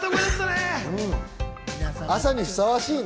朝にふさわしいね。